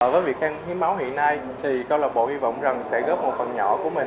với việc hiến máu hiện nay thì câu lạc bộ hy vọng rằng sẽ góp một phần nhỏ của mình